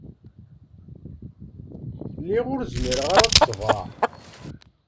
Lliɣ ur zmireɣ ad ṣebreɣ.